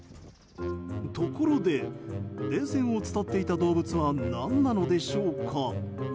ところで電線を伝っていた動物は何なのでしょうか？